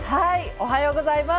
おはようございます。